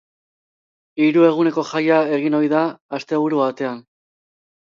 Hiru eguneko jaia egin ohi da asteburu batean.